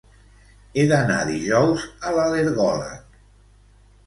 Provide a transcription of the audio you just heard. He d'anar dijous a l'al·lergòleg.